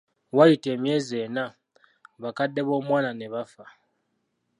Waayita emyezi ena, bakadde b'omwana ne bafa.